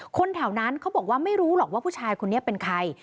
คนแถวนั้นเขาบอกว่าไม่รู้หรอกว่าผู้ชายคนนี้เป็นใคร